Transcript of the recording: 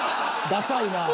ダサいなぁ！